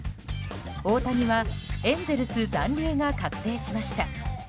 大谷はエンゼルス残留が確定しました。